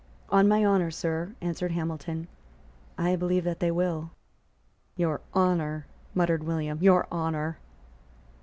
"On my honour, Sir," answered Hamilton, "I believe that they will." "Your honour!" muttered William; "your honour!"